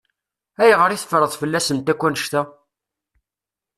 Ayɣer i teffreḍ fell-asent akk annect-a?